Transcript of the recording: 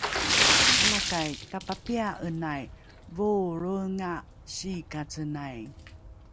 alakai tapapia’enai voolroenga siikacenai